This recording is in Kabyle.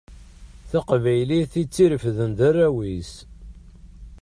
Taqbaylit i tt-irefden d arraw-is.